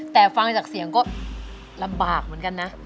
แต่ฟังจากเสียงก็ลำบากเหมือนกันนะ